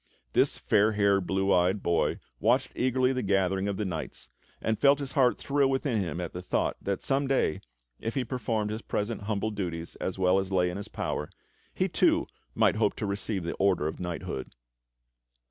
This fair haired, blue eyed boy watched eagerly the gathering of the knights, and felt his heart thrill within him at the thought that some day, if he performed his present humble duties as well as lay in his power, he too might hope to receive the order of knighthood.